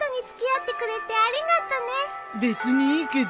別にいいけど。